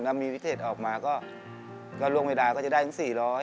ถ้ามีพิเศษออกมาก็ล่วงเวลาก็จะได้ถึง๔๐๐